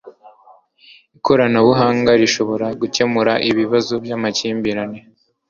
ikoranabuhanga rishobora gukemura ibibazo by'amakimbirane